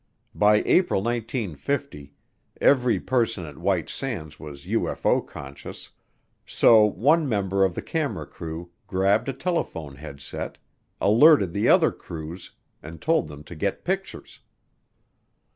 By April 1950 every person at White Sands was UFO conscious, so one member of the camera crew grabbed a telephone headset, alerted the other crews, and told them to get pictures.